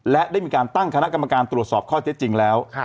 และได้มีการตั้งคณะกรรมการตรวจสอบข้อเท็จจริงแล้ว